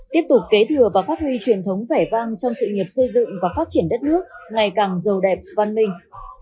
tiếp tục kế thừa và phát huy truyền thống vẻ vang trong sự nghiệp xây dựng và phát triển đất nước ngày càng giàu đẹp văn minh